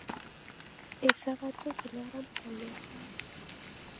Ezabatu Telegram taldea.